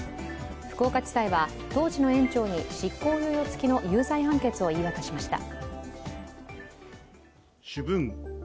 福岡地裁は当時の園長に執行猶予付きの有罪判決を言い渡しました。